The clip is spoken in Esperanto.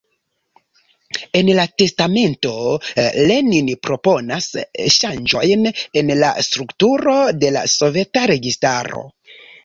En la testamento, Lenin proponas ŝanĝojn en la strukturo de la soveta registaro.